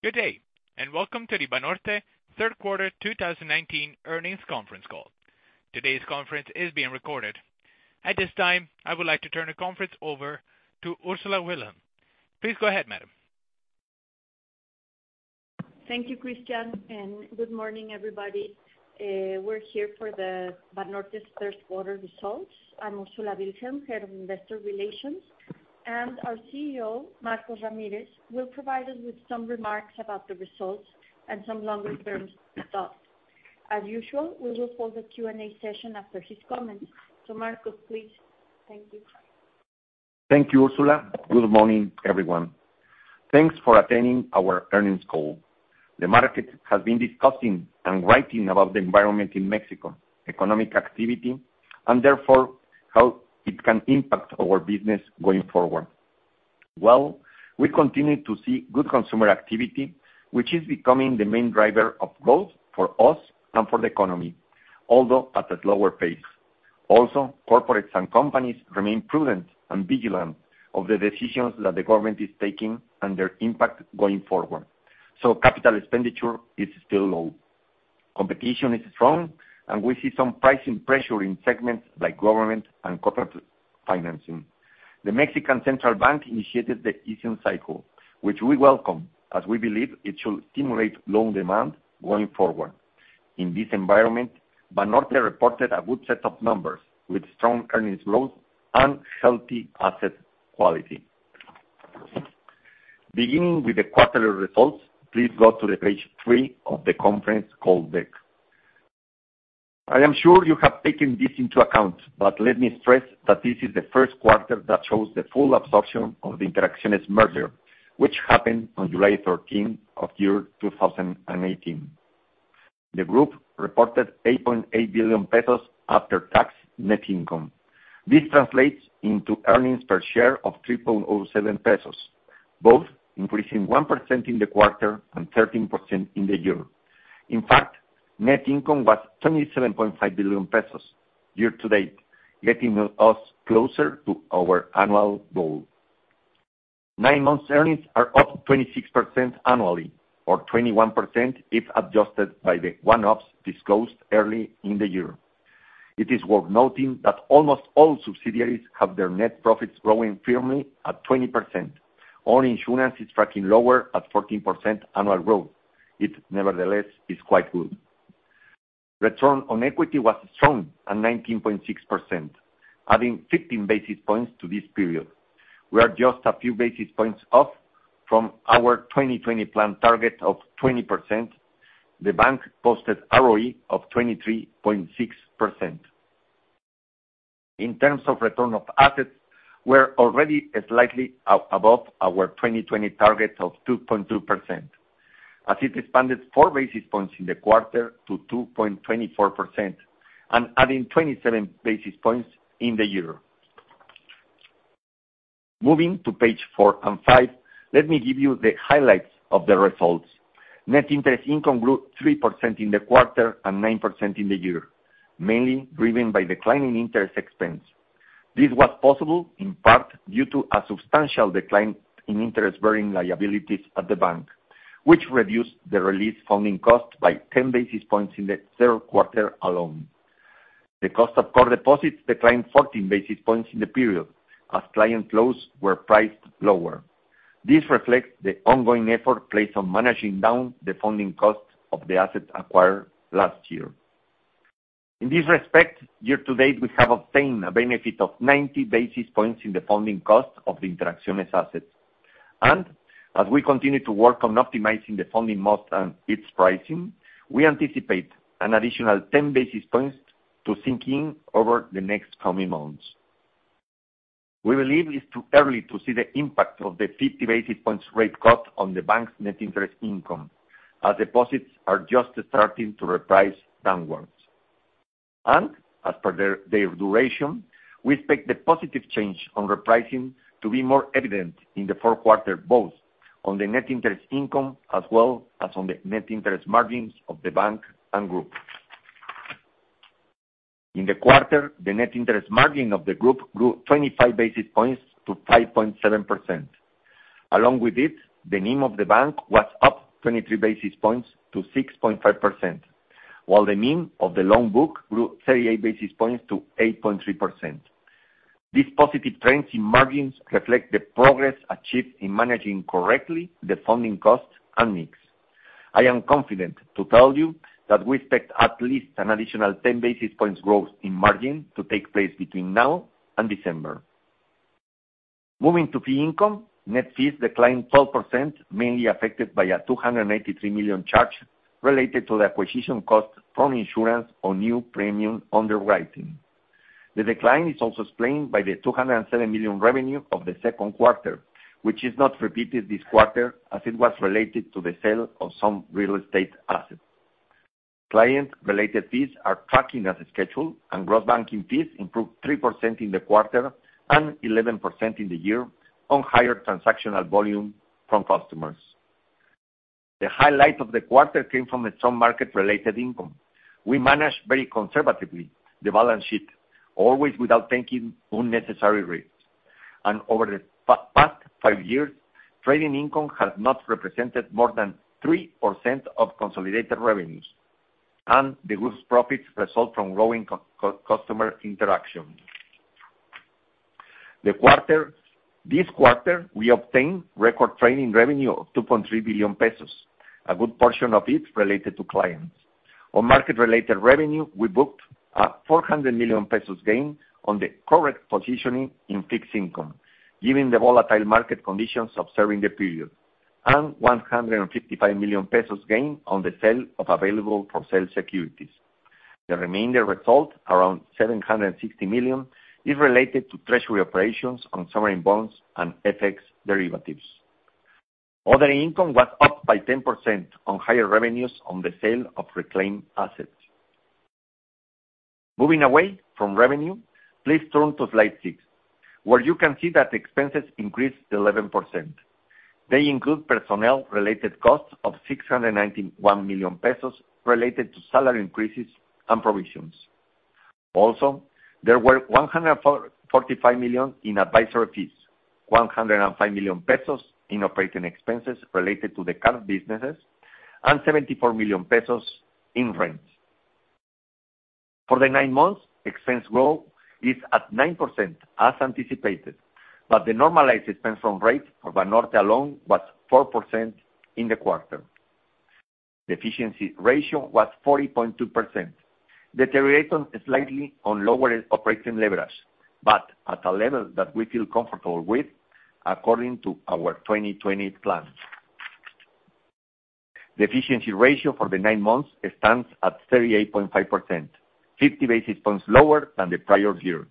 Good day, and welcome to Banorte third quarter 2019 earnings conference call. Today's conference is being recorded. At this time, I would like to turn the conference over to Ursula Wilhelm. Please go ahead, madam. Thank you, Christian. Good morning, everybody. We're here for the Banorte's third quarter results. I'm Ursula Wilhelm, head of investor relations, and our CEO, Marcos Ramírez, will provide us with some remarks about the results and some longer terms thoughts. As usual, we will hold the Q&A session after his comments. Marcos, please. Thank you. Thank you, Ursula. Good morning, everyone. Thanks for attending our earnings call. The market has been discussing and writing about the environment in Mexico, economic activity, and therefore how it can impact our business going forward. We continue to see good consumer activity, which is becoming the main driver of growth for us and for the economy, although at a slower pace. Corporates and companies remain prudent and vigilant of the decisions that the government is taking and their impact going forward. Capital expenditure is still low. Competition is strong, and we see some pricing pressure in segments like government and corporate financing. The Mexican central bank initiated the easing cycle, which we welcome as we believe it should stimulate loan demand going forward. In this environment, Banorte reported a good set of numbers with strong earnings growth and healthy asset quality. Beginning with the quarterly results, please go to the page three of the conference call deck. I am sure you have taken this into account, but let me stress that this is the first quarter that shows the full absorption of the Interacciones merger, which happened on July 13 of 2018. The group reported 8.8 billion pesos after-tax net income. This translates into earnings per share of 3.07 pesos, both increasing 1% in the quarter and 13% in the year. In fact, net income was 27.5 billion pesos year to date, getting us closer to our annual goal. Nine months earnings are up 26% annually, or 21% if adjusted by the one-offs disclosed early in the year. It is worth noting that almost all subsidiaries have their net profits growing firmly at 20%. Only insurance is tracking lower at 14% annual growth. It nevertheless is quite good. Return on equity was strong at 19.6%, adding 15 basis points to this period. We are just a few basis points off from our 2020 plan target of 20%. The bank posted ROE of 23.6%. In terms of return of assets, we are already slightly above our 2020 target of 2.2%, as it expanded four basis points in the quarter to 2.24% and adding 27 basis points in the year. Moving to page four and five, let me give you the highlights of the results. Net interest income grew 3% in the quarter and 9% in the year, mainly driven by declining interest expense. This was possible in part due to a substantial decline in interest-bearing liabilities at the bank, which reduced the release funding cost by 10 basis points in the third quarter alone. The cost of core deposits declined 14 basis points in the period as client loans were priced lower. This reflects the ongoing effort placed on managing down the funding costs of the assets acquired last year. In this respect, year to date, we have obtained a benefit of 90 basis points in the funding cost of the Interacciones assets. As we continue to work on optimizing the funding cost and its pricing, we anticipate an additional 10 basis points to sink in over the next coming months. We believe it's too early to see the impact of the 50 basis points rate cut on the bank's net interest income, as deposits are just starting to reprice downwards. As per their duration, we expect the positive change on repricing to be more evident in the fourth quarter, both on the net interest income as well as on the net interest margins of the bank and group. In the quarter, the NIM of the group grew 25 basis points to 5.7%. Along with it, the NIM of the bank was up 23 basis points to 6.5%, while the NIM of the loan book grew 38 basis points to 8.3%. These positive trends in margins reflect the progress achieved in managing correctly the funding costs and mix. I am confident to tell you that we expect at least an additional 10 basis points growth in margin to take place between now and December. Moving to fee income, net fees declined 12%, mainly affected by a 283 million charge related to the acquisition cost from insurance on new premium underwriting. The decline is also explained by the 207 million revenue of the second quarter, which is not repeated this quarter as it was related to the sale of some real estate assets. Client-related fees are tracking as scheduled, gross banking fees improved 3% in the quarter and 11% in the year on higher transactional volume from customers. The highlight of the quarter came from some market-related income. We managed very conservatively the balance sheet, always without taking unnecessary risks. Over the past 5 years, trading income has not represented more than 3% of consolidated revenues, and the group's profits result from growing customer interaction. This quarter, we obtained record trading revenue of 2.3 billion pesos, a good portion of it related to clients. On market-related revenue, we booked a 400 million pesos gain on the correct positioning in fixed income, given the volatile market conditions observing the period, and 155 million pesos gain on the sale of available for sale securities. The remaining result, around 760 million, is related to treasury operations on sovereign bonds and FX derivatives. Other income was up by 10% on higher revenues on the sale of reclaimed assets. Moving away from revenue, please turn to slide six, where you can see that expenses increased 11%. They include personnel-related costs of 691 million pesos related to salary increases and provisions. There were 145 million in advisory fees, 105 million pesos in operating expenses related to the card businesses, and 74 million pesos in rents. For the nine months, expense growth is at 9%, as anticipated, but the normalized expense run rate for Banorte alone was 4% in the quarter. The efficiency ratio was 40.2%, deteriorating slightly on lower operating leverage, but at a level that we feel comfortable with according to our 2020 plans. The efficiency ratio for the nine months stands at 38.5%, 50 basis points lower than the prior year.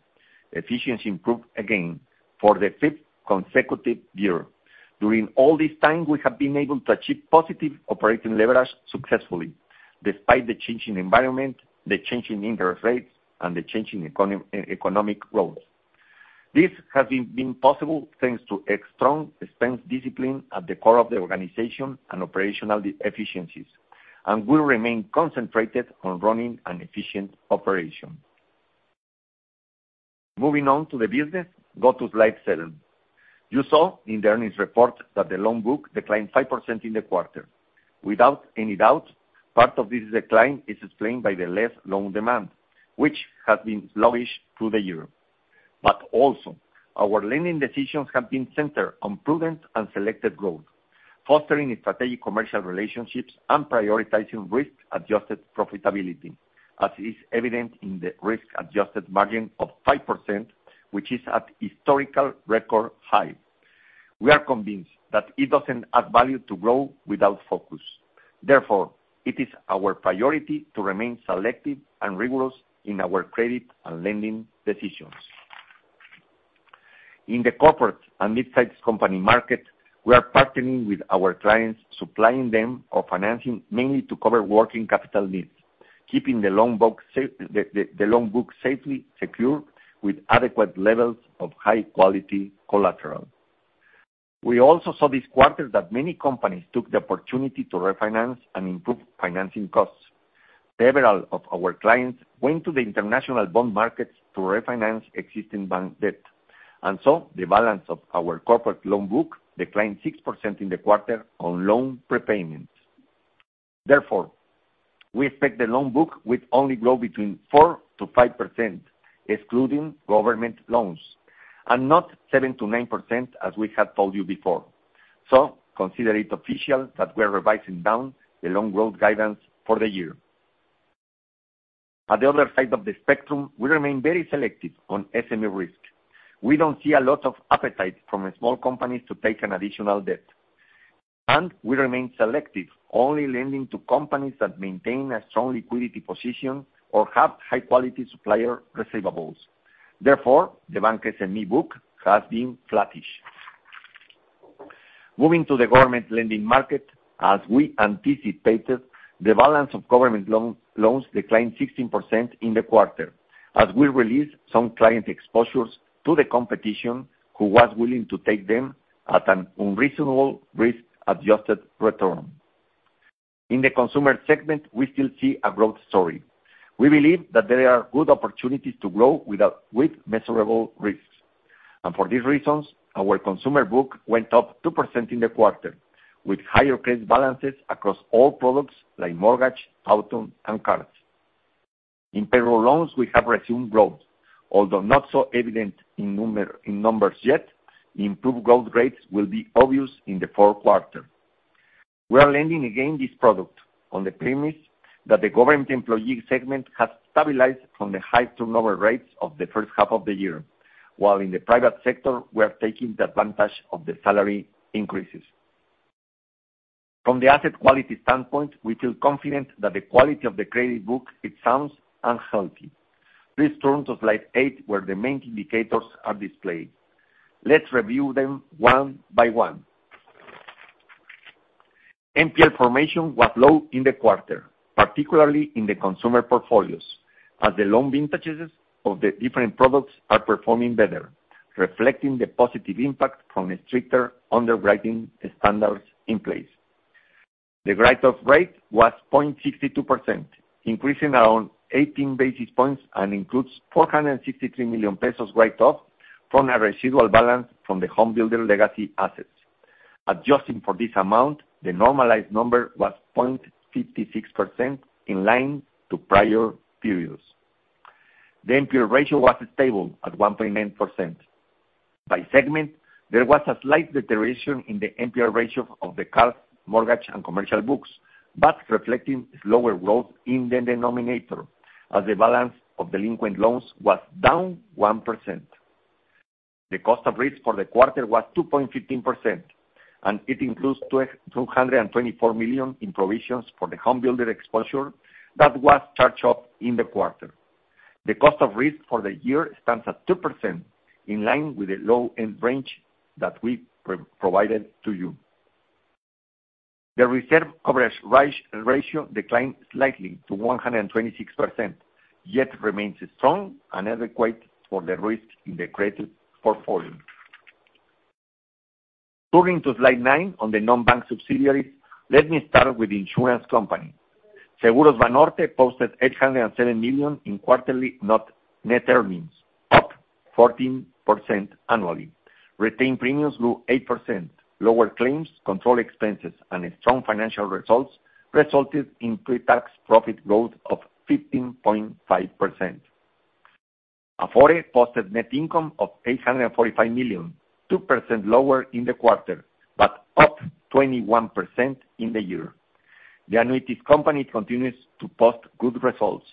Efficiency improved again for the fifth consecutive year. During all this time, we have been able to achieve positive operating leverage successfully, despite the changing environment, the changing interest rates, and the changing economic roles. This has been possible thanks to a strong expense discipline at the core of the organization and operational efficiencies, and we remain concentrated on running an efficient operation. Moving on to the business, go to slide seven. You saw in the earnings report that the loan book declined 5% in the quarter. Without any doubt, part of this decline is explained by the less loan demand, which has been sluggish through the year. Also, our lending decisions have been centered on prudent and selected growth, fostering strategic commercial relationships and prioritizing risk-adjusted profitability, as is evident in the risk-adjusted margin of 5%, which is at historical record high. We are convinced that it doesn't add value to grow without focus. Therefore, it is our priority to remain selective and rigorous in our credit and lending decisions. In the corporate and midsize company market, we are partnering with our clients, supplying them or financing mainly to cover working capital needs, keeping the loan book safely secured with adequate levels of high-quality collateral. We also saw this quarter that many companies took the opportunity to refinance and improve financing costs. Several of our clients went to the international bond markets to refinance existing bank debt, the balance of our corporate loan book declined 6% in the quarter on loan prepayments. We expect the loan book will only grow between 4%-5%, excluding government loans, and not 7%-9%, as we had told you before. Consider it official that we are revising down the loan growth guidance for the year. At the other side of the spectrum, we remain very selective on SME risk. We don't see a lot of appetite from small companies to take on additional debt, and we remain selective, only lending to companies that maintain a strong liquidity position or have high-quality supplier receivables. The bank SME book has been flattish. Moving to the government lending market, as we anticipated, the balance of government loans declined 16% in the quarter as we released some client exposures to the competition who was willing to take them at an unreasonable risk-adjusted return. In the consumer segment, we still see a growth story. We believe that there are good opportunities to grow with measurable risks, and for these reasons, our consumer book went up 2% in the quarter, with higher case balances across all products like mortgage, auto, and cards. In payroll loans, we have resumed growth, although not so evident in numbers yet, improved growth rates will be obvious in the fourth quarter. We are lending again this product on the premise that the government employee segment has stabilized from the high turnover rates of the first half of the year, while in the private sector, we are taking the advantage of the salary increases. From the asset quality standpoint, we feel confident that the quality of the credit book is sound and healthy. Please turn to slide eight, where the main indicators are displayed. Let's review them one by one. NPL formation was low in the quarter, particularly in the consumer portfolios. As the loan vintages of the different products are performing better, reflecting the positive impact from the stricter underwriting standards in place. The write-off rate was 0.62%, increasing around 18 basis points and includes 463 million pesos write-off from a residual balance from the home builder legacy assets. Adjusting for this amount, the normalized number was 0.56%, in line to prior periods. The NPL ratio was stable at 1.9%. By segment, there was a slight deterioration in the NPL ratio of the card, mortgage, and commercial books, reflecting slower growth in the denominator as the balance of delinquent loans was down 1%. The cost of risk for the quarter was 2.15%. It includes 224 million in provisions for the home builder exposure that was charged off in the quarter. The cost of risk for the year stands at 2%, in line with the low-end range that we provided to you. The reserve coverage ratio declined slightly to 126%, yet remains strong and adequate for the risk in the credit portfolio. Turning to slide nine on the non-bank subsidiaries, let me start with the insurance company. Seguros Banorte posted 807 million in quarterly net earnings, up 14% annually. Retained premiums grew 8%. Lower claims, control expenses, and strong financial results resulted in pre-tax profit growth of 15.5%. Afore posted net income of 845 million, 2% lower in the quarter, but up 21% in the year. The annuities company continues to post good results.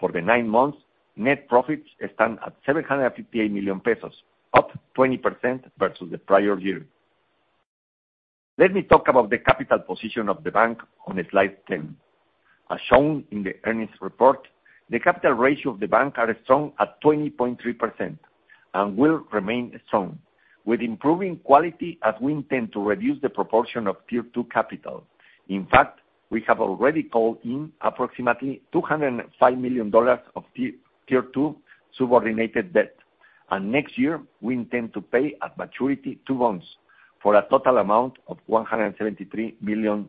For the nine months, net profits stand at 758 million pesos, up 20% versus the prior year. Let me talk about the capital position of the bank on slide 10. As shown in the earnings report, the capital ratio of the bank are strong at 20.3% and will remain strong with improving quality as we intend to reduce the proportion of Tier 2 capital. We have already called in approximately $205 million of Tier 2 subordinated debt. Next year, we intend to pay at maturity two bonds for a total amount of $173 million.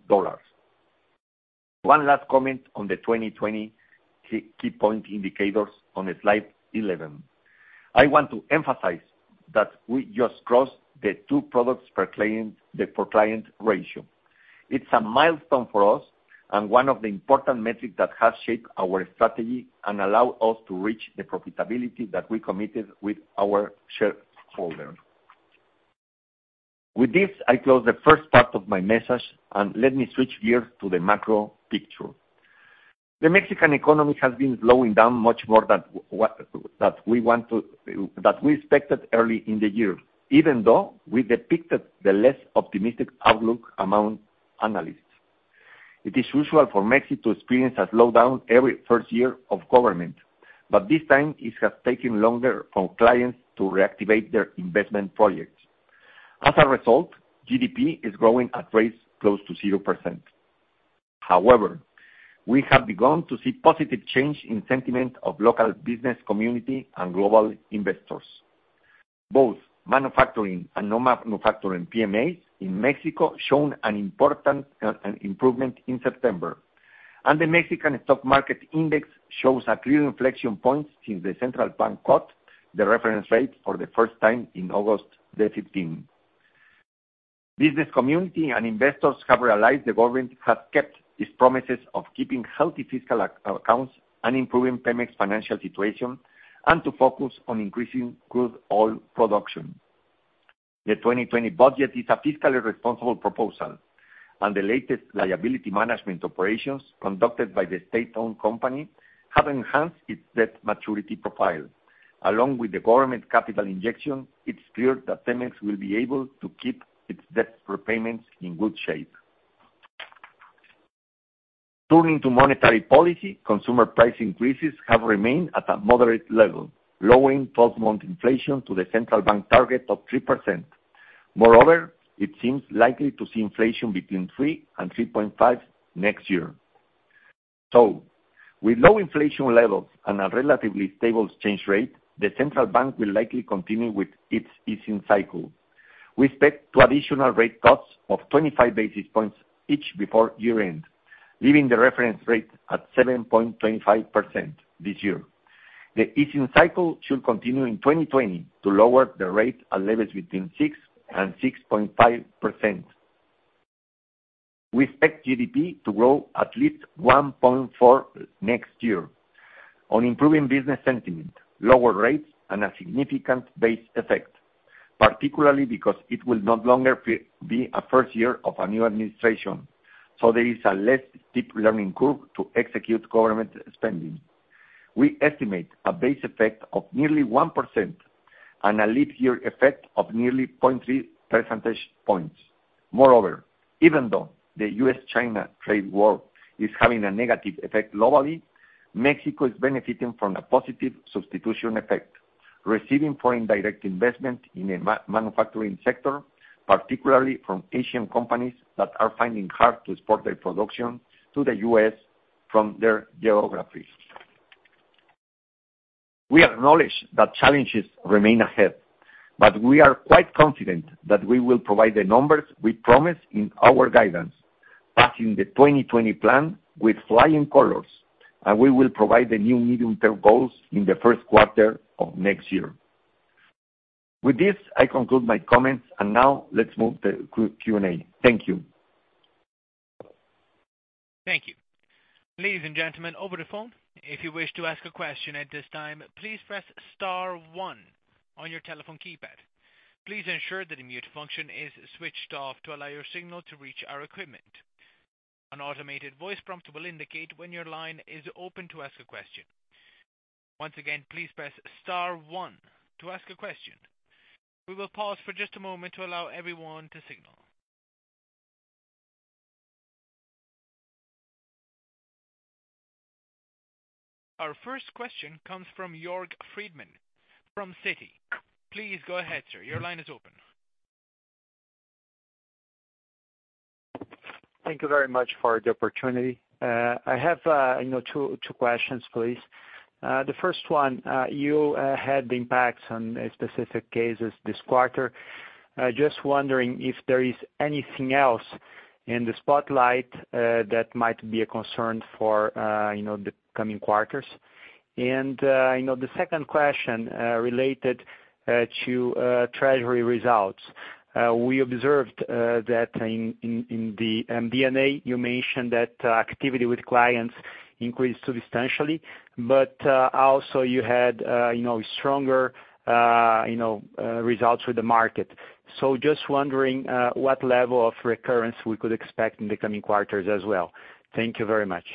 One last comment on the 2020 key point indicators on slide 11. I want to emphasize that we just crossed the two products per client ratio. It's a milestone for us and one of the important metrics that has shaped our strategy and allow us to reach the profitability that we committed with our shareholders. With this, I close the first part of my message, and let me switch gears to the macro picture. The Mexican economy has been slowing down much more than we expected early in the year, even though we depicted the less optimistic outlook among analysts. It is usual for Mexico to experience a slowdown every first year of government, but this time it has taken longer for clients to reactivate their investment projects. As a result, GDP is growing at rates close to 0%. However, we have begun to see positive change in sentiment of local business community and global investors. Both manufacturing and non-manufacturing PMIs in Mexico shown an improvement in September, and the Mexican stock market index shows a clear inflection point since the central bank cut the reference rate for the first time in August the 15th. Business community and investors have realized the government has kept its promises of keeping healthy fiscal accounts and improving Pemex financial situation and to focus on increasing crude oil production. The 2020 budget is a fiscally responsible proposal, and the latest liability management operations conducted by the state-owned company have enhanced its debt maturity profile. Along with the government capital injection, it's clear that Pemex will be able to keep its debt repayments in good shape. Turning to monetary policy, consumer price increases have remained at a moderate level, lowering 12-month inflation to the central bank target of 3%. It seems likely to see inflation between 3% and 3.5% next year. With low inflation levels and a relatively stable exchange rate, the central bank will likely continue with its easing cycle. We expect two additional rate cuts of 25 basis points each before year-end, leaving the reference rate at 7.25% this year. The easing cycle should continue in 2020 to lower the rate at levels between 6% and 6.5%. We expect GDP to grow at least 1.4% next year on improving business sentiment, lower rates, and a significant base effect, particularly because it will no longer be a first year of a new administration, there is a less steep learning curve to execute government spending. We estimate a base effect of nearly 1% and a leap year effect of nearly 0.3 percentage points. Even though the U.S.-China trade war is having a negative effect globally, Mexico is benefiting from a positive substitution effect, receiving foreign direct investment in the manufacturing sector, particularly from Asian companies that are finding hard to export their production to the U.S. from their geographies. We acknowledge that challenges remain ahead. We are quite confident that we will provide the numbers we promised in our guidance, passing the 2020 plan with flying colors, and we will provide the new medium-term goals in the first quarter of next year. With this, I conclude my comments. Now let's move to Q&A. Thank you. Thank you. Ladies and gentlemen over the phone, if you wish to ask a question at this time, please press star one on your telephone keypad. Please ensure that the mute function is switched off to allow your signal to reach our equipment. An automated voice prompt will indicate when your line is open to ask a question. Once again, please press star one to ask a question. We will pause for just a moment to allow everyone to signal. Our first question comes from Jorge Friedman from Citi. Please go ahead, sir. Your line is open. Thank you very much for the opportunity. I have two questions, please. The first one, you had the impacts on specific cases this quarter. Just wondering if there is anything else in the spotlight that might be a concern for the coming quarters. The second question related to treasury results. We observed that in the MD&A, you mentioned that activity with clients increased substantially, but also you had stronger results with the market. Just wondering what level of recurrence we could expect in the coming quarters as well. Thank you very much.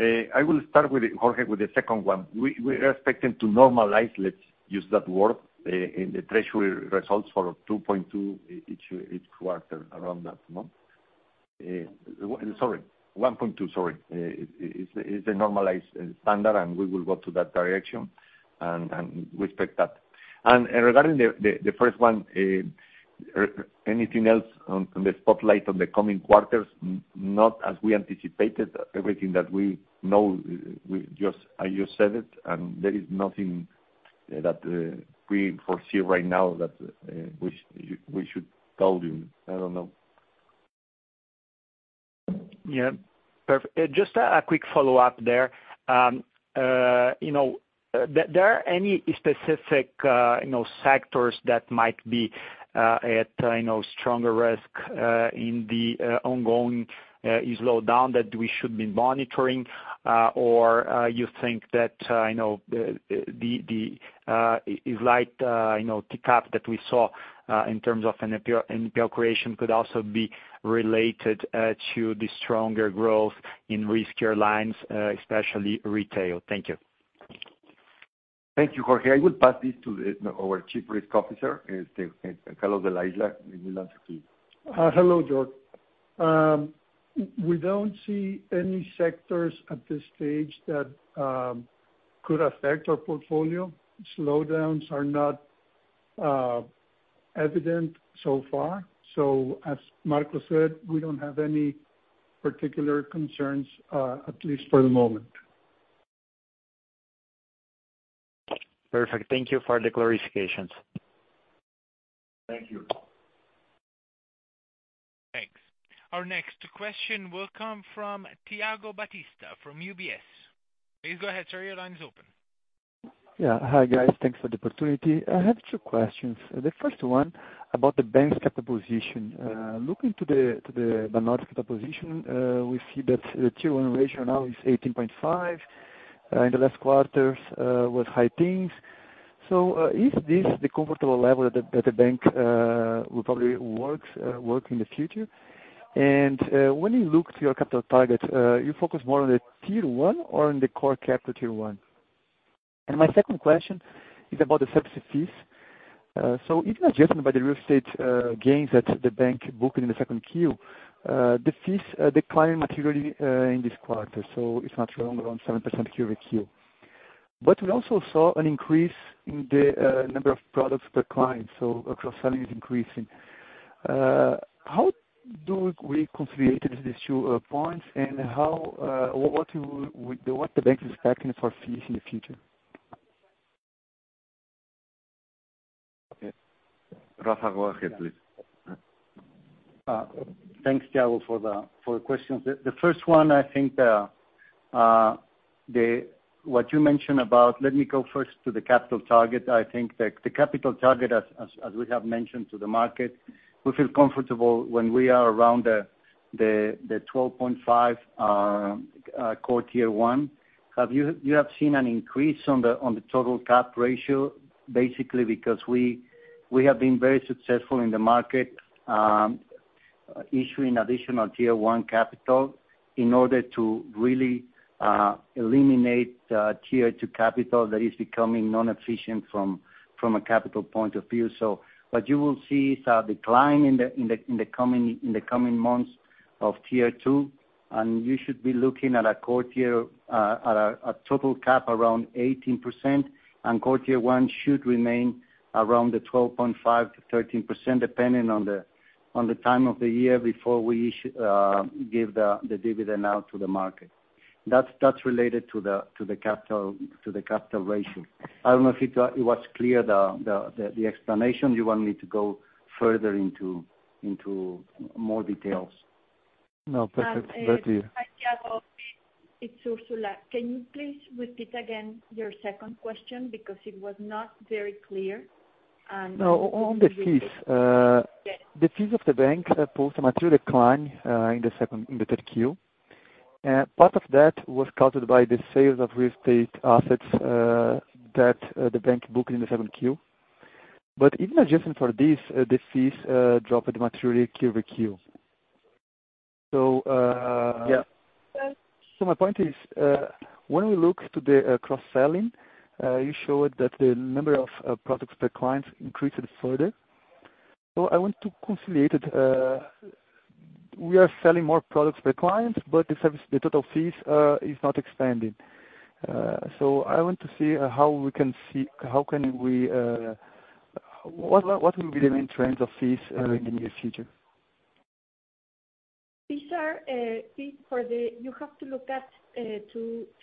I will start, Jorge, with the second one. We are expecting to normalize, let's use that word, in the treasury results for 2.2 each quarter around that amount. Sorry, 1.2, sorry, is the normalized standard, and we will go to that direction, and we expect that. Regarding the first one, anything else on the spotlight on the coming quarters, not as we anticipated. Everything that we know, I just said it, and there is nothing that we foresee right now that we should tell you. I don't know. Yeah. Perfect. Just a quick follow-up there. There are any specific sectors that might be at stronger risk in the ongoing slowdown that we should be monitoring? You think that the slight tick-up that we saw in terms of NPL creation could also be related to the stronger growth in riskier lines, especially retail? Thank you. Thank you, Jorge. I will pass this to our Chief Risk Officer, Carlos de la Isla. Hello, Jorge. We don't see any sectors at this stage that could affect our portfolio. Slowdowns are not evident so far. As Marcos said, we don't have any particular concerns, at least for the moment. Perfect. Thank you for the clarifications. Thank you. Thanks. Our next question will come from Thiago Batista from UBS. Please go ahead, sir, your line is open. Yeah. Hi, guys. Thanks for the opportunity. I have two questions. The first one about the bank's capital position. Looking to the Banorte capital position, we see that the Tier 1 ratio now is 18.5%. In the last quarters, was high teens. Is this the comfortable level that the bank will probably work in the future? When you look to your capital targets, you focus more on the Tier 1 or on the Core Tier 1? My second question is about the services fees. If adjusted by the real estate gains that the bank booked in the 2Q, the fees declined materially in this quarter. It's not strong, around 7% quarter-over-quarter. We also saw an increase in the number of products per client, so cross-selling is increasing. How do we conciliate these two points, and what the bank is expecting for fees in the future? Rafa, go ahead, please. Thanks, Thiago, for the questions. The first one, I think what you mentioned about, let me go first to the capital target. I think the capital target, as we have mentioned to the market, we feel comfortable when we are around the 12.5 Core Tier 1. You have seen an increase on the total cap ratio, basically because we have been very successful in the market issuing additional tier one capital. In order to really eliminate Tier 2 capital that is becoming non-efficient from a capital point of view. What you will see is a decline in the coming months of Tier 2, and you should be looking at a total cap around 18%, and Core Tier 1 should remain around the 12.5%-13%, depending on the time of the year before we give the dividend out to the market. That's related to the capital ratio. I don't know if it was clear, the explanation. You want me to go further into more details? No, perfect. Hi, Thiago. It's Ursula. Can you please repeat again your second question because it was not very clear. No, on the fees. Yes. The fees of the bank post a material decline in the third Q. Part of that was caused by the sales of real estate assets that the bank booked in the second Q. Even adjusting for this, the fees dropped materially Q over Q. Yeah. Go ahead. My point is, when we look to the cross-selling, you showed that the number of products per client increased further. I want to conciliate it. We are selling more products per client, but the total fees is not expanding. I want to see what will be the main trends of fees in the near future. You have to look at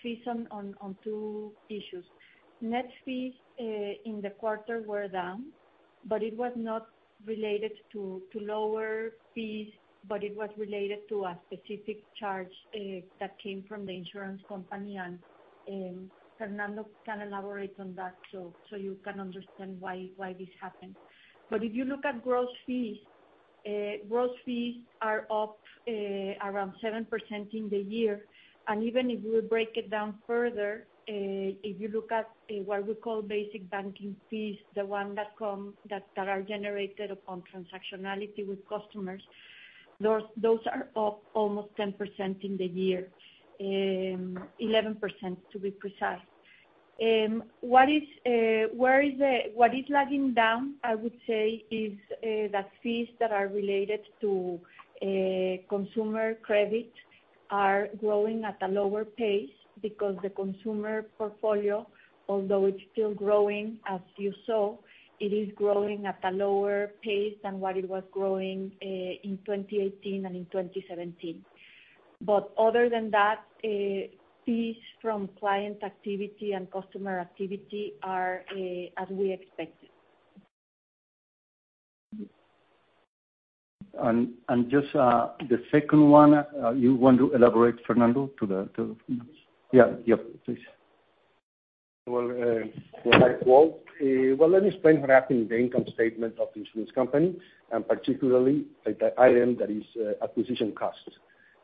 fees on two issues. Net fees in the quarter were down, but it was not related to lower fees, but it was related to a specific charge that came from the insurance company, and Fernando can elaborate on that so you can understand why this happened. If you look at gross fees, gross fees are up around 7% in the year. Even if we break it down further, if you look at what we call basic banking fees, the one that are generated upon transactionality with customers, those are up almost 10% in the year, 11% to be precise. What is lagging down, I would say, is that fees that are related to consumer credit are growing at a lower pace because the consumer portfolio, although it is still growing as you saw, it is growing at a lower pace than what it was growing in 2018 and in 2017. Other than that, fees from client activity and customer activity are as we expected. Just the second one, you want to elaborate, Fernando? Yeah, please. Well, hi, Walt. Let me explain what happened in the income statement of the insurance company, and particularly the item that is acquisition costs.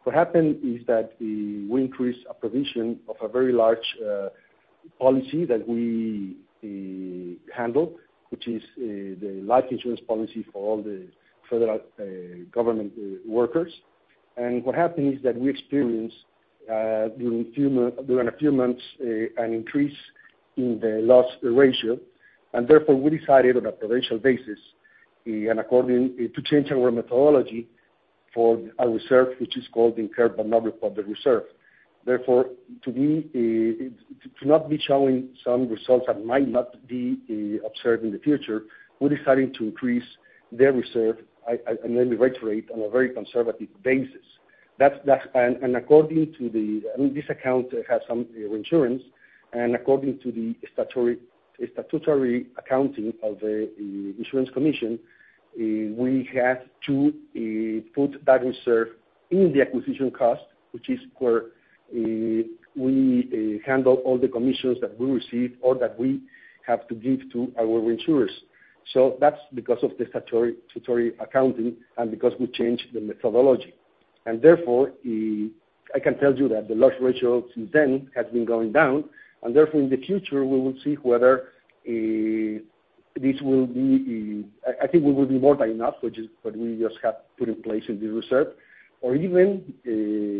What happened is that we increased a provision of a very large policy that we handle, which is the life insurance policy for all the federal government workers. What happened is that we experienced, during a few months, an increase in the loss ratio, and therefore, we decided on a provisional basis to change our methodology for our reserve, which is called the incurred but not reported reserve. Therefore, to not be showing some results that might not be observed in the future, we decided to increase the reserve at an underwrite rate on a very conservative basis. This account has some reinsurance. According to the statutory accounting of the insurance commission, we had to put that reserve in the acquisition cost, which is where we handle all the commissions that we receive or that we have to give to our reinsurers. That's because of the statutory accounting and because we changed the methodology. Therefore, I can tell you that the loss ratio since then has been going down. Therefore, in the future, we will see whether this will be. I think we will be more than enough, which is what we just have put in place in the reserve. Even,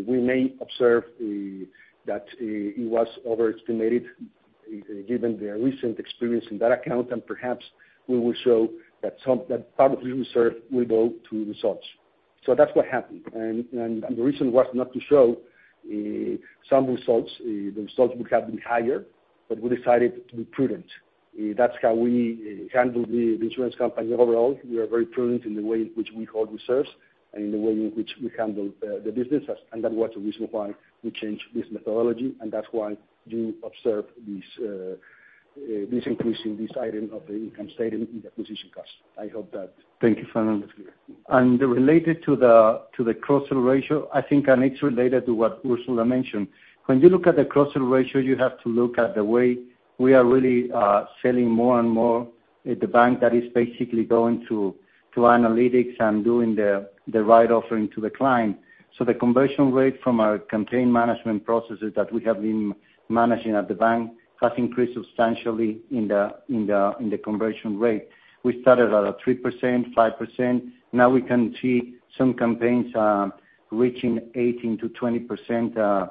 we may observe that it was overestimated, given the recent experience in that account. Perhaps we will show that part of the reserve will go to results. That's what happened. The reason was not to show some results. The results would have been higher, but we decided to be prudent. That's how we handle the insurance company overall. We are very prudent in the way in which we hold reserves and in the way in which we handle the business, and that was the reason why we changed this methodology, and that's why you observe this increase in this item of the income statement in the acquisition cost. Thank you, Fernando. Related to the cross-sell ratio, I think, and it's related to what Ursula mentioned. When you look at the cross-sell ratio, you have to look at the way we are really selling more and more at the bank that is basically going to analytics and doing the right offering to the client. The conversion rate from our campaign management processes that we have been managing at the bank has increased substantially in the conversion rate. We started at 3%, 5%. Now we can see some campaigns are reaching 18%-20%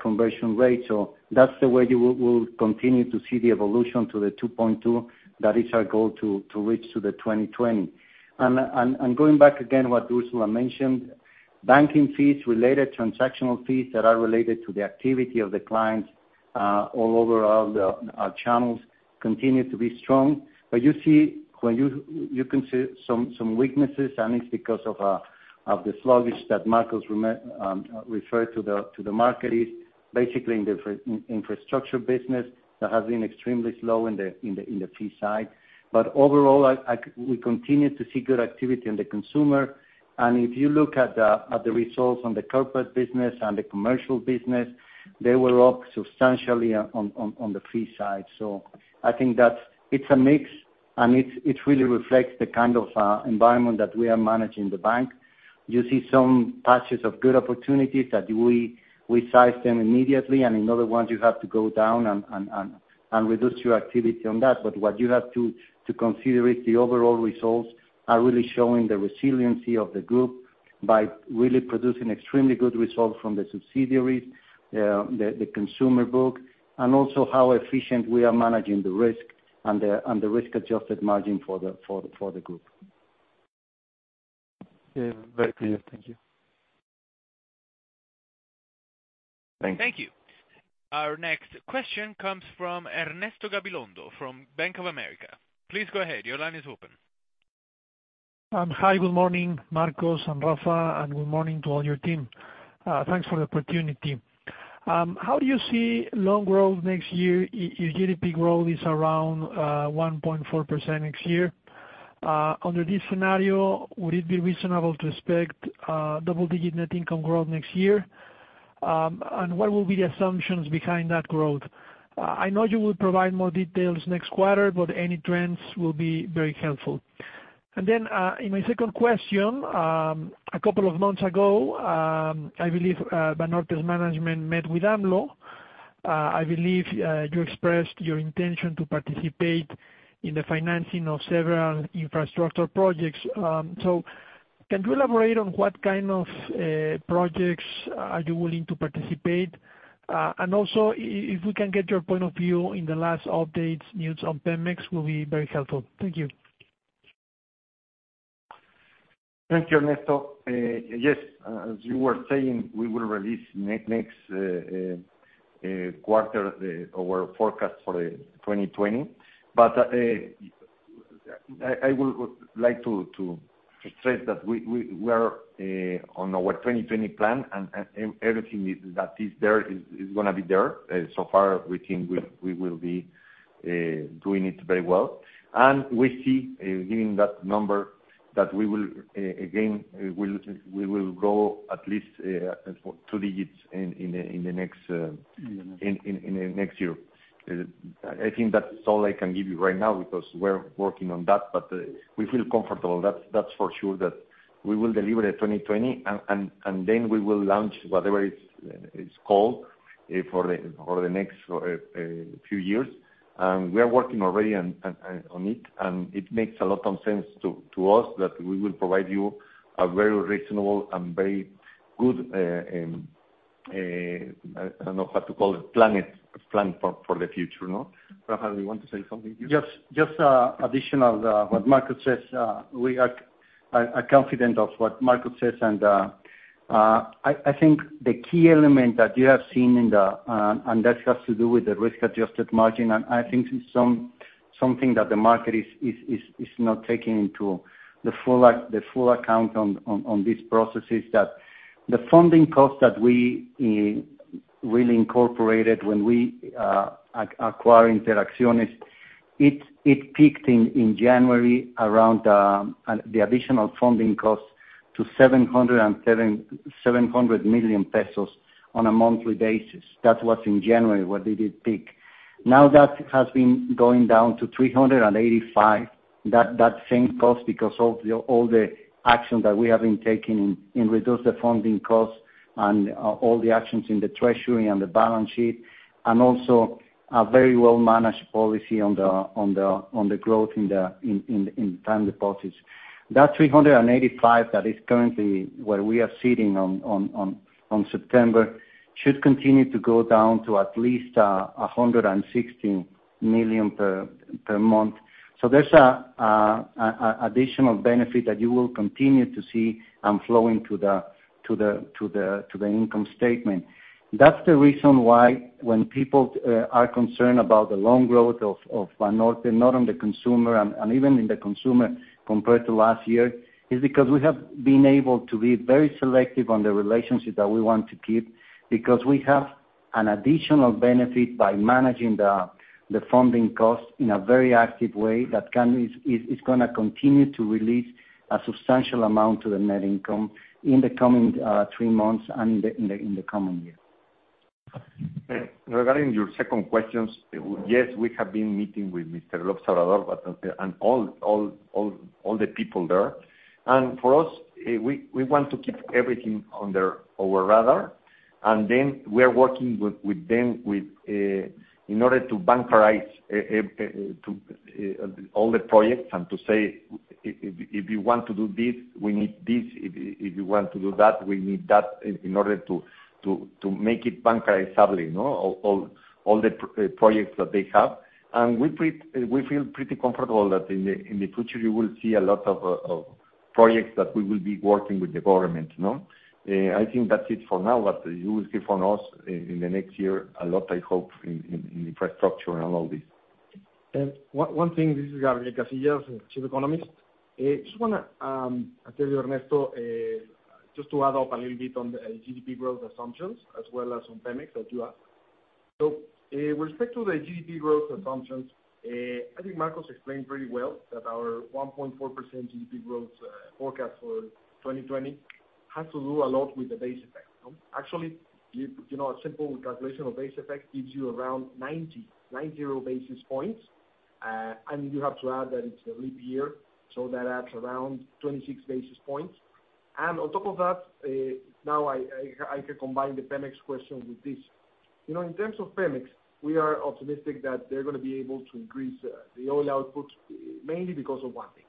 conversion rate. That's the way you will continue to see the evolution to the 2.2 that is our goal to reach to the 2020. Going back again, what Ursula mentioned, banking fees, related transactional fees that are related to the activity of the clients all over our channels continue to be strong. You can see some weaknesses, and it's because of the sluggish that Marcos referred to the market is, basically in the infrastructure business, that has been extremely slow in the fee side. Overall, we continue to see good activity on the consumer. If you look at the results on the corporate business and the commercial business, they were up substantially on the fee side. I think that it's a mix, and it really reflects the kind of environment that we are managing the bank. You see some patches of good opportunities that we size them immediately, and in other ones, you have to go down and reduce your activity on that. What you have to consider is the overall results are really showing the resiliency of the group by really producing extremely good results from the subsidiaries, the consumer book, and also how efficient we are managing the risk and the risk-adjusted margin for the group. Yeah, very clear. Thank you. Thank you. Thank you. Our next question comes from Ernesto Gabilondo from Bank of America. Please go ahead. Your line is open. Hi, good morning, Marcos and Rafa, and good morning to all your team. Thanks for the opportunity. How do you see loan growth next year? Your GDP growth is around 1.4% next year. Under this scenario, would it be reasonable to expect double-digit net income growth next year? What will be the assumptions behind that growth? I know you will provide more details next quarter, but any trends will be very helpful. In my second question, a couple of months ago, I believe Banorte's management met with AMLO. I believe you expressed your intention to participate in the financing of several infrastructure projects. Can you elaborate on what kind of projects are you willing to participate? If we can get your point of view in the last updates, news on Pemex will be very helpful. Thank you. Thank you, Ernesto. Yes, as you were saying, we will release next quarter our forecast for 2020. I would like to stress that we are on our 2020 plan, and everything that is there is going to be there. So far, we think we will be doing it very well. We see, given that number, that we will grow at least two digits in the next year. I think that's all I can give you right now because we're working on that, but we feel comfortable, that's for sure, that we will deliver the 2020, and then we will launch whatever it's called for the next few years. We are working already on it, and it makes a lot of sense to us that we will provide you a very reasonable and very good, I don't know how to call it, plan for the future, no? Rafa, you want to say something here? Just additional what Marcos says. We are confident of what Marcos says. I think the key element that you have seen, and that has to do with the risk-adjusted margin, and I think something that the market is not taking into the full account on these processes, that the funding cost that we really incorporated when we acquired Interacciones, it peaked in January around the additional funding cost to 700 million pesos on a monthly basis. That was in January when it did peak. That has been going down to 385, that same cost, because of all the action that we have been taking in reduce the funding cost and all the actions in the treasury and the balance sheet, and also a very well-managed policy on the growth in time deposits. That 385 that is currently where we are sitting on September should continue to go down to at least 160 million per month. There's an additional benefit that you will continue to see flowing to the income statement. That's the reason why when people are concerned about the loan growth of Banorte, not on the consumer, and even in the consumer compared to last year, is because an additional benefit by managing the funding cost in a very active way that is going to continue to release a substantial amount to the net income in the coming three months and in the coming year. Regarding your second questions, yes, we have been meeting with Mr. López Obrador and all the people there. For us, we want to keep everything on our radar. Then we are working with them in order to bankize all the projects and to say, "If you want to do this, we need this. If you want to do that, we need that," in order to make it bankize stably all the projects that they have. We feel pretty comfortable that in the future you will see a lot of projects that we will be working with the government. I think that's it for now. You will hear from us in the next year, a lot, I hope, in infrastructure and all this. One thing, this is Gabriel Casillas, Chief Economist. I just want to tell you, Ernesto, just to add up a little bit on the GDP growth assumptions as well as on Pemex that you asked. With respect to the GDP growth assumptions, I think Marcos explained very well that our 1.4% GDP growth forecast for 2020 has to do a lot with the base effect. Actually, a simple calculation of base effect gives you around 90 basis points. You have to add that it's a leap year, that adds around 26 basis points. On top of that, now I can combine the Pemex question with this. In terms of Pemex, we are optimistic that they're going to be able to increase the oil outputs, mainly because of one thing.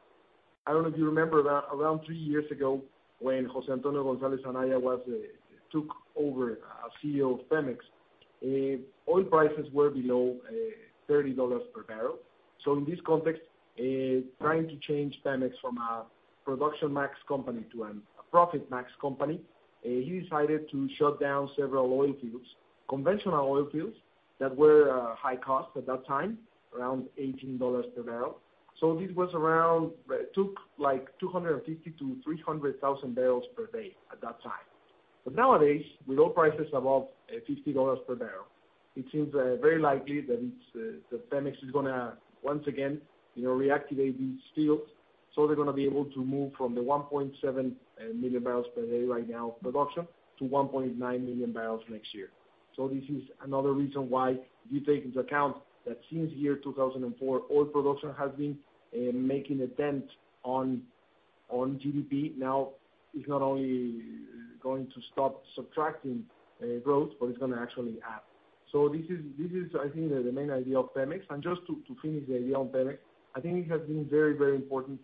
I don't know if you remember, around three years ago, when José Antonio González Anaya took over as CEO of Pemex, oil prices were below $30 per barrel. In this context, trying to change Pemex from a production max company to a profit max company, he decided to shut down several oil fields, conventional oil fields, that were high cost at that time, around $18 per barrel. This took 250,000-300,000 barrels per day at that time. Nowadays, with oil prices above $50 per barrel, it seems very likely that Pemex is going to, once again, reactivate these fields. They're going to be able to move from the 1.7 million barrels per day right now production to 1.9 million barrels next year. This is another reason why we take into account that since year 2004, oil production has been making a dent on GDP. It's not only going to stop subtracting growth, but it's going to actually add. This is, I think, the main idea of Pemex. Just to finish the idea on Pemex, I think it has been very important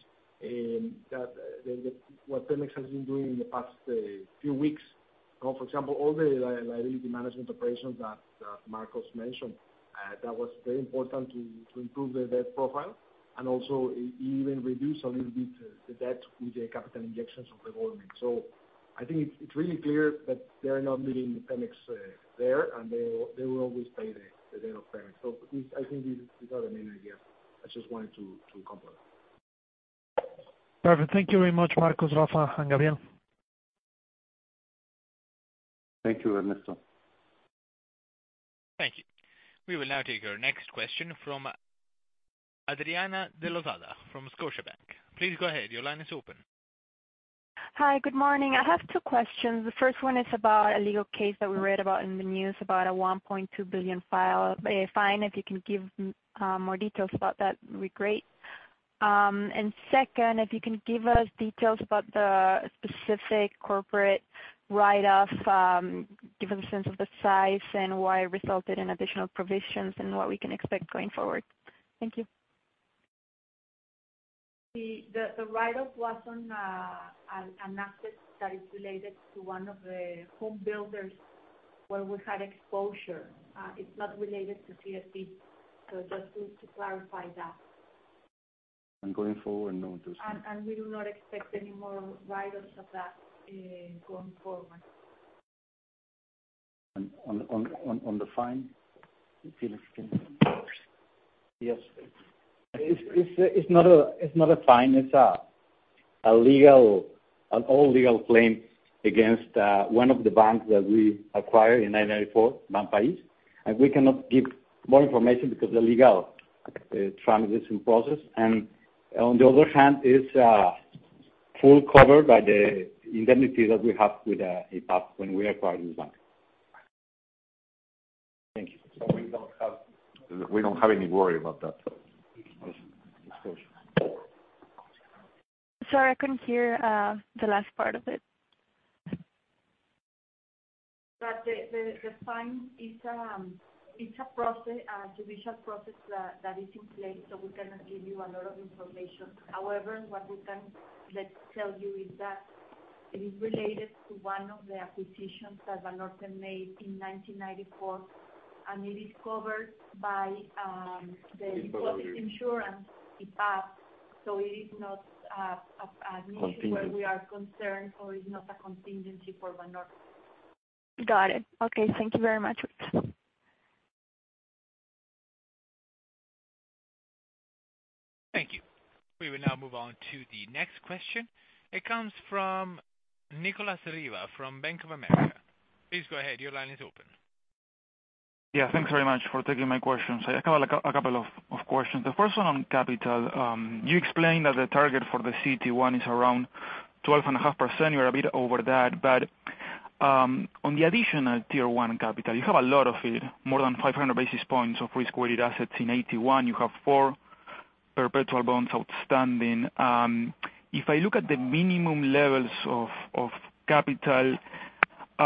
what Pemex has been doing in the past few weeks. For example, all the liability management operations that Marcos mentioned. That was very important to improve their debt profile, and also even reduce a little bit the debt with the capital injections of the government. I think it's really clear that they are not leaving Pemex there, and they will always pay the debt of Pemex. I think these are the main ideas. I just wanted to complement. Perfect. Thank you very much, Marcos, Rafa, and Gabriel. Thank you, Ernesto. Thank you. We will now take our next question from Adriana de Lozada from Scotiabank. Please go ahead. Your line is open. Hi. Good morning. I have two questions. The first one is about a legal case that we read about in the news about a 1.2 billion fine. If you can give more details about that, it'd be great. Second, if you can give us details about the specific corporate write-off, give us a sense of the size and why it resulted in additional provisions and what we can expect going forward. Thank you. The write-off was on an asset that is related to one of the home builders where we had exposure. It's not related to CFE. Just to clarify that. Going forward, no interest. We do not expect any more write-offs of that going forward. On the fine, [Felix], can you? Yes. It's not a fine. It's an old legal claim against one of the banks that we acquired in 1994, Banpaís. We cannot give more information because the legal trial is in process. On the other hand, it's fully covered by the indemnity that we have with IPAB when we acquired this bank. Thank you. We don't have any worry about that. Sorry, I couldn't hear the last part of it. The fine, it's a judicial process that is in place. We cannot give you a lot of information. However, what we can tell you is that it is related to one of the acquisitions that Banorte made in 1994, and it is covered by the deposit insurance, IPAB. It is not an issue where we are concerned, or is not a contingency for Banorte. Got it. Okay. Thank you very much. Thank you. We will now move on to the next question. It comes from Nicolas Riva from Bank of America. Please go ahead. Your line is open. Yeah, thanks very much for taking my questions. I have a couple of questions. The first one on capital. You explained that the target for the CT1 is around 12.5%. You're a bit over that. On the additional Tier 1 capital, you have a lot of it, more than 500 basis points of risk-weighted assets. In AT1, you have four perpetual bonds outstanding. If I look at the minimum levels of capital, the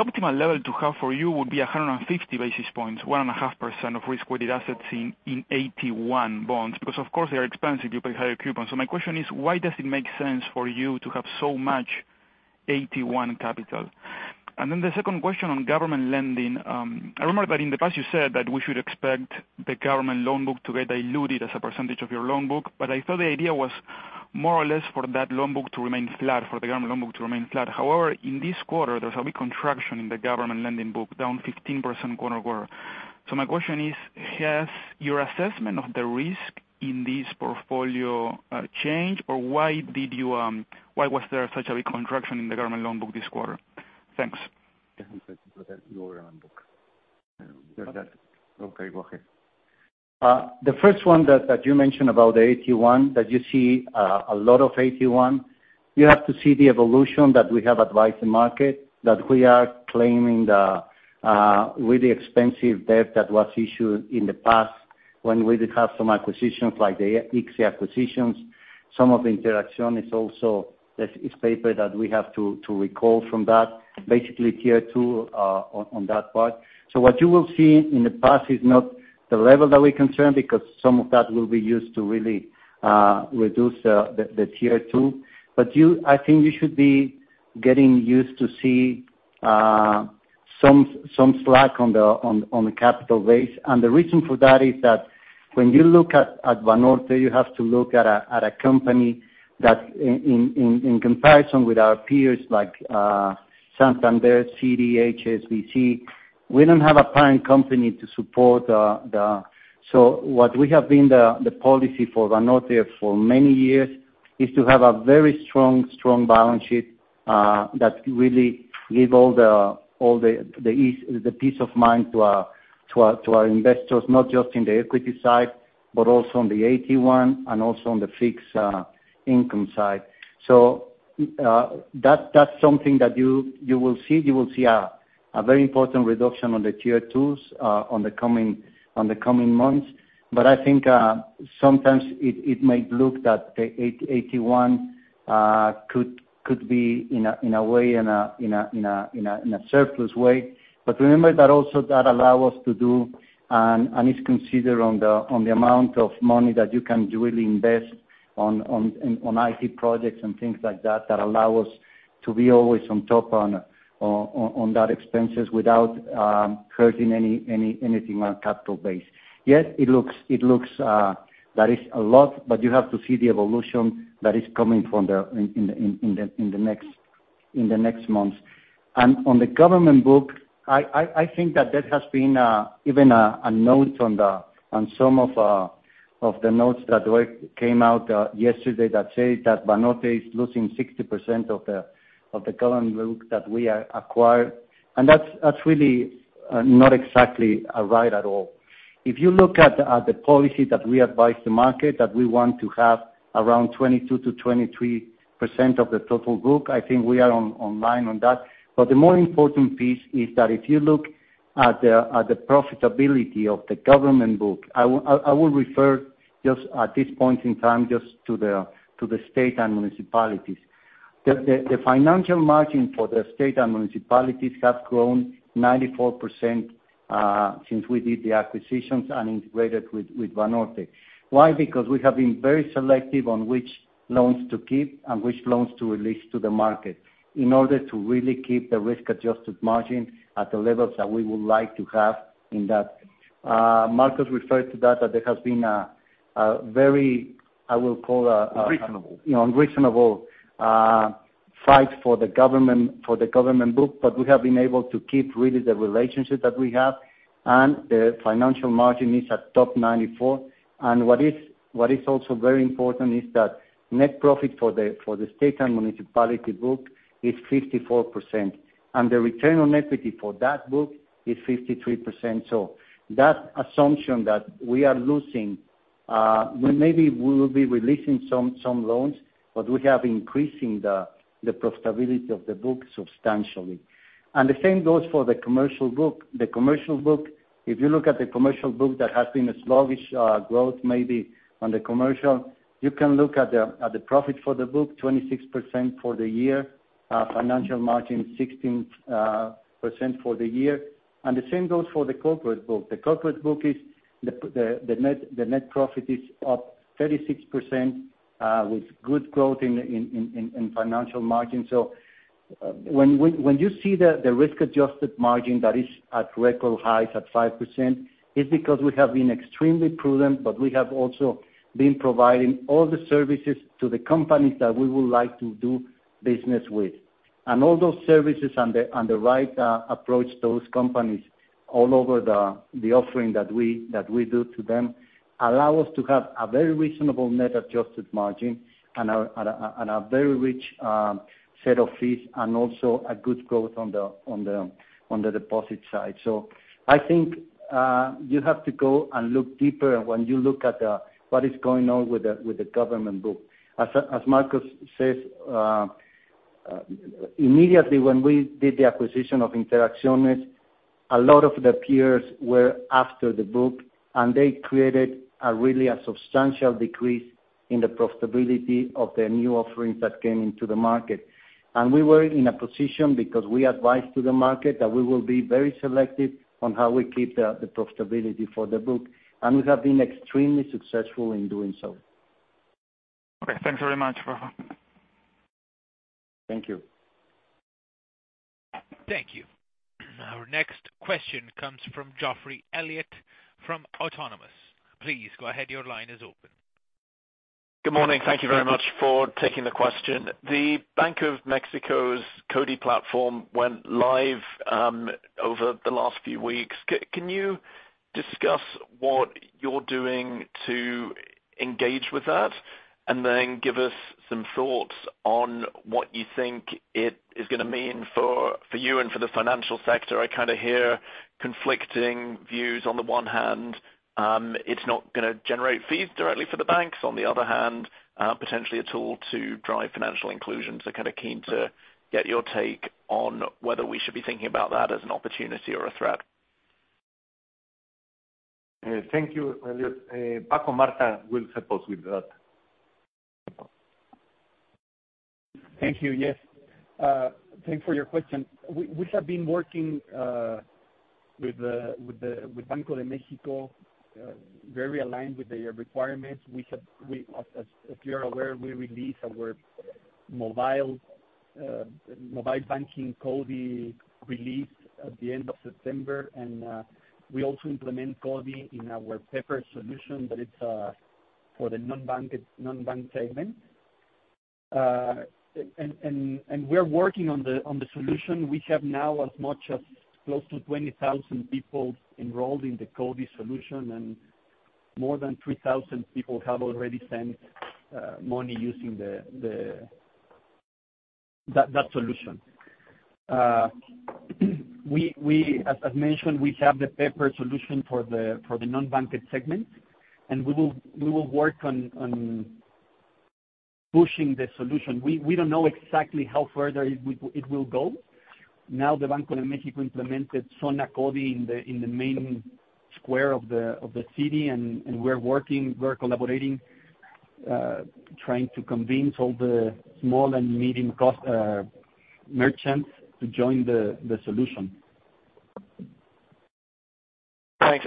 optimal level to have for you would be 150 basis points, 1.5% of risk-weighted assets in AT1 bonds, because of course they are expensive, you pay higher coupons. My question is, why does it make sense for you to have so much AT1 capital? The second question on government lending. I remember that in the past you said that we should expect the government loan book to get diluted as a percentage of your loan book, I thought the idea was more or less for that loan book to remain flat, for the government loan book to remain flat. In this quarter, there's a big contraction in the government lending book, down 15% quarter-over-quarter. My question is, has your assessment of the risk in this portfolio changed, or why was there such a big contraction in the government loan book this quarter? Thanks. The first one that you mentioned about the AT1, that you see a lot of AT1, you have to see the evolution that we have advised the market, that we are claiming the really expensive debt that was issued in the past when we did have some acquisitions, like the Ixe acquisitions. Some of Interacción is also, that is paper that we have to recall from that, basically Tier 2 on that part. What you will see in the past is not the level that we're concerned, because some of that will be used to really reduce the Tier 2. I think you should be getting used to see some slack on the capital base. The reason for that is that when you look at Banorte, you have to look at a company that, in comparison with our peers like Santander, BBVA, HSBC, we don't have a parent company to support. What we have been the policy for Banorte for many years is to have a very strong balance sheet that really give all the peace of mind to our investors, not just in the equity side, but also on the AT1 and also on the fixed income side. That's something that you will see. You will see a very important reduction on the Tier 2s on the coming months. I think sometimes it might look that the AT1 could be in a surplus way. Remember that also that allow us to do, and is considered on the amount of money that you can really invest on IT projects and things like that allow us to be always on top on that expenses without hurting anything on our capital base. Yes, it looks that is a lot, but you have to see the evolution that is coming in the next months. On the government book, I think that that has been even a note on some of the notes that came out yesterday that say that Banorte is losing 60% of the government book that we acquired. That's really not exactly right at all. If you look at the policy that we advised the market, that we want to have around 22%-23% of the total book, I think we are online on that. The more important piece is that if you look at the profitability of the government book, I will refer just at this point in time just to the state and municipalities. The financial margin for the state and municipalities have grown 94% since we did the acquisitions and integrated with Banorte. Why? We have been very selective on which loans to keep and which loans to release to the market in order to really keep the risk-adjusted margin at the levels that we would like to have in that. Marcos referred to that there has been a very. Unreasonable unreasonable fight for the government book, but we have been able to keep really the relationship that we have, and the financial margin is at top 94%. What is also very important is that net profit for the state and municipality book is 54%, and the return on equity for that book is 53%. That assumption that we are losing, maybe we will be releasing some loans, but we have increasing the profitability of the book substantially. The same goes for the commercial book. The commercial book, if you look at the commercial book, that has been a sluggish growth, maybe, on the commercial. You can look at the profit for the book, 26% for the year. Financial margin, 16% for the year. The same goes for the corporate book. The corporate book, the net profit is up 36%, with good growth in financial margin. When you see the risk-adjusted margin that is at record highs at 5%, it's because we have been extremely prudent, but we have also been providing all the services to the companies that we would like to do business with. All those services and the right approach to those companies All over the offering that we do to them allow us to have a very reasonable net adjusted margin and a very rich set of fees, and also a good growth on the deposit side. I think you have to go and look deeper when you look at what is going on with the government book. As Marcos says, immediately when we did the acquisition of Interacciones, a lot of the peers were after the book, and they created a really substantial decrease in the profitability of the new offerings that came into the market. We were in a position because we advised to the market that we will be very selective on how we keep the profitability for the book, and we have been extremely successful in doing so. Okay. Thanks very much, Rafa. Thank you. Thank you. Our next question comes from Geoffrey Elliott from Autonomous. Please go ahead. Your line is open. Good morning. Thank you very much for taking the question. The Bank of Mexico's CoDi platform went live over the last few weeks. Can you discuss what you're doing to engage with that, and then give us some thoughts on what you think it is going to mean for you and for the financial sector? I kind of hear conflicting views. On the one hand, it's not going to generate fees directly for the banks. On the other hand, potentially a tool to drive financial inclusion. Kind of keen to get your take on whether we should be thinking about that as an opportunity or a threat. Thank you, Elliott. Francisco Martha will help us with that. Thank you. Yes. Thanks for your question. We have been working with Banco de México, very aligned with their requirements. If you're aware, we released our mobile banking CoDi release at the end of September, and we also implement CoDi in our paper solution, but it's for the non-bank segments. We're working on the solution. We have now as much as close to 20,000 people enrolled in the CoDi solution, and more than 3,000 people have already sent money using that solution. As mentioned, we have the paper solution for the non-banked segment, and we will work on pushing the solution. We don't know exactly how further it will go. Now, the Banco de México implemented Zona CoDi in the main square of the city, and we're working, we're collaborating, trying to convince all the small and medium merchants to join the solution. Thanks.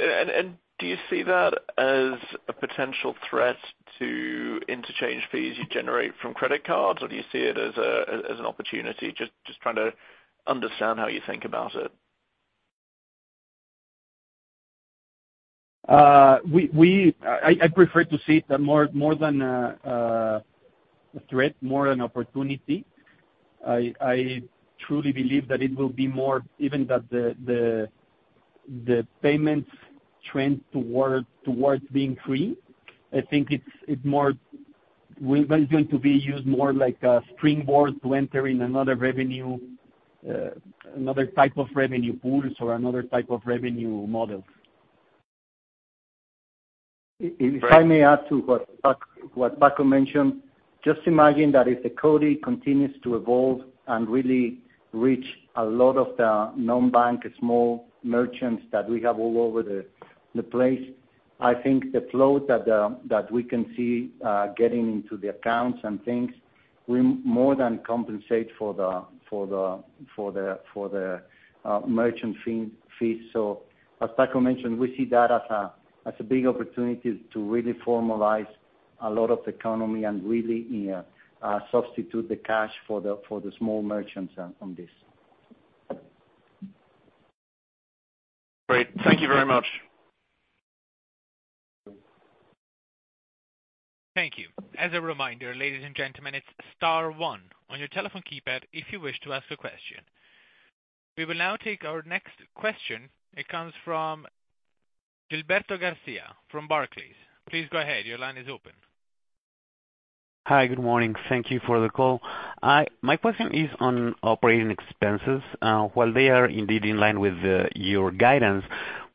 Do you see that as a potential threat to interchange fees you generate from credit cards, or do you see it as an opportunity? Just trying to understand how you think about it. I prefer to see it more than a threat, more an opportunity. I truly believe that it will be more even that the payments trend towards being free. I think it's going to be used more like a springboard to enter in another type of revenue pools or another type of revenue models. If I may add to what Paco mentioned, just imagine that if the CoDi continues to evolve and really reach a lot of the non-bank small merchants that we have all over the place, I think the flow that we can see getting into the accounts and things, will more than compensate for the merchant fees. As Paco mentioned, we see that as a big opportunity to really formalize a lot of the economy and really substitute the cash for the small merchants on this. Great. Thank you very much. Thank you. As a reminder, ladies and gentlemen, it's star one on your telephone keypad if you wish to ask a question. We will now take our next question. It comes from Gilberto Garcia from Barclays. Please go ahead. Your line is open. Hi. Good morning. Thank you for the call. My question is on operating expenses. While they are indeed in line with your guidance,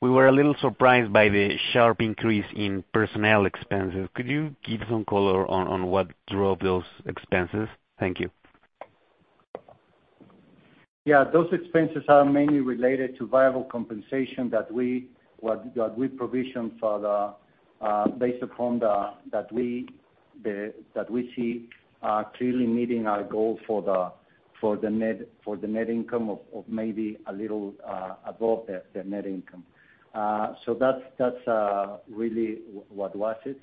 we were a little surprised by the sharp increase in personnel expenses. Could you give some color on what drove those expenses? Thank you. Yeah, those expenses are mainly related to variable compensation that we provisioned based upon that we see clearly meeting our goal for the net income, of maybe a little above the net income. That's really what was it.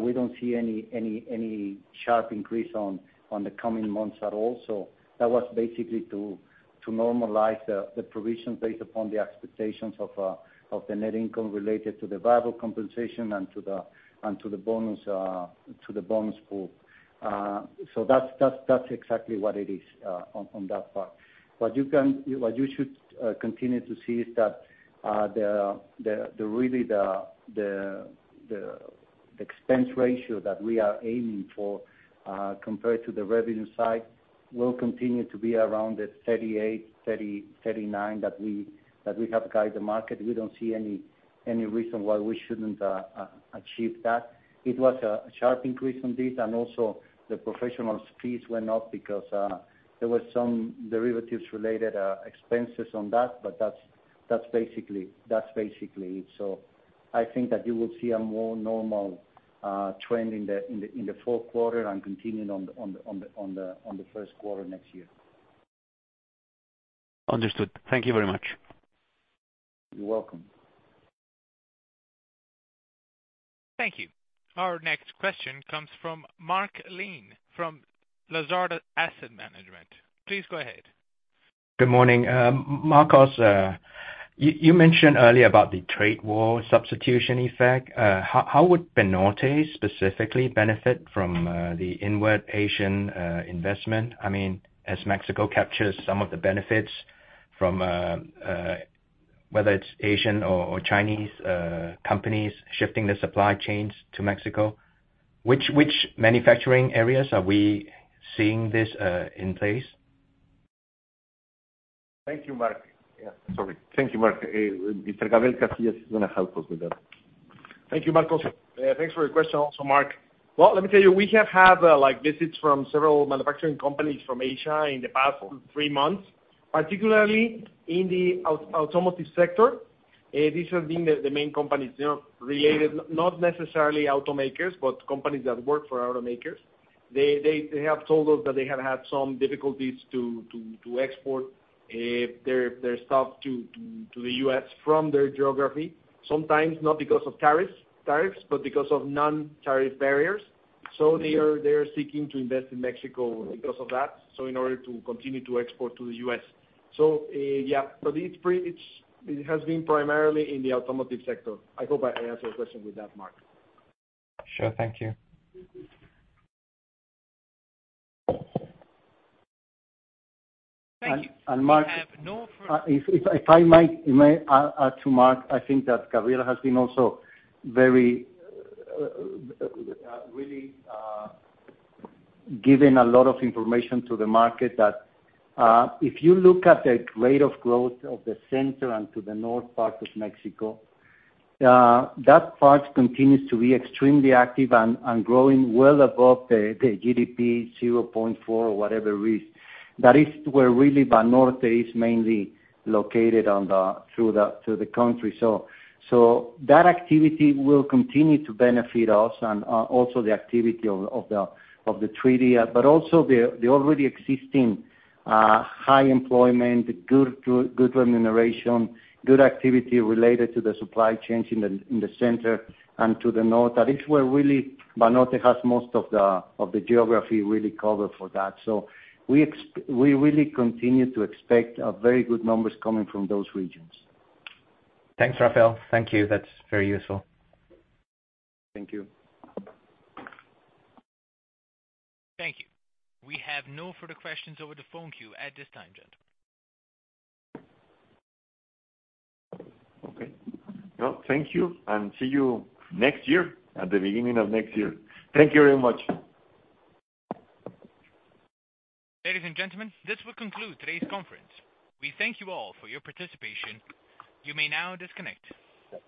We don't see any sharp increase on the coming months at all. That was basically to normalize the provision based upon the expectations of the net income related to the variable compensation and to the bonus pool. That's exactly what it is on that part. What you should continue to see is that really the expense ratio that we are aiming for compared to the revenue side will continue to be around the 38, 39 that we have guided the market. We don't see any reason why we shouldn't achieve that. It was a sharp increase on this, and also the professionals' fees went up because there were some derivatives related expenses on that, but that's basically it. I think that you will see a more normal trend in the fourth quarter and continuing on the first quarter next year. Understood. Thank you very much. You're welcome. Thank you. Our next question comes from Mark Lin from Lazard Asset Management. Please go ahead. Good morning. Marcos, you mentioned earlier about the trade war substitution effect. How would Banorte specifically benefit from the inward Asian investment? As Mexico captures some of the benefits from, whether it's Asian or Chinese companies shifting the supply chains to Mexico, which manufacturing areas are we seeing this in place? Thank you, Mark. Yeah, sorry. Thank you, Mark. Mr. Gabriel Casillas is going to help us with that. Thank you, Marcos. Thanks for your question also, Mark. Well, let me tell you, we have had visits from several manufacturing companies from Asia in the past three months, particularly in the automotive sector. These have been the main companies. They're not necessarily automakers, but companies that work for automakers. They have told us that they have had some difficulties to export their stuff to the U.S. from their geography, sometimes not because of tariffs, but because of non-tariff barriers. They are seeking to invest in Mexico because of that, so in order to continue to export to the U.S. Yeah, it has been primarily in the automotive sector. I hope I answered your question with that, Mark. Sure. Thank you. Thank you. Mark, if I might add to Mark, I think that Gabriel has been also really giving a lot of information to the market that if you look at the rate of growth of the center and to the north part of Mexico, that part continues to be extremely active and growing well above the GDP, 0.4 or whatever it is. That is where really Banorte is mainly located through the country. That activity will continue to benefit us and also the activity of the trade, but also the already existing high employment, good remuneration, good activity related to the supply chains in the center and to the north. That is where really Banorte has most of the geography really covered for that. We really continue to expect very good numbers coming from those regions. Thanks, Rafael. Thank you. That's very useful. Thank you. Thank you. We have no further questions over the phone queue at this time, gentlemen. Okay. Well, thank you, and see you next year, at the beginning of next year. Thank you very much. Ladies and gentlemen, this will conclude today's conference. We thank you all for your participation. You may now disconnect.